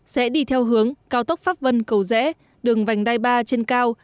sẽ đi theo hướng cao tốc pháp vân cầu rẽ đường vành đai ba trên cao